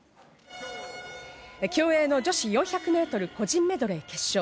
競泳の女子４００ｍ個人メドレー決勝。